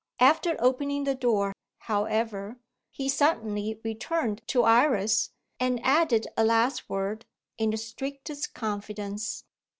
After opening the door, however, he suddenly returned to Iris, and added a last word in the strictest confidence.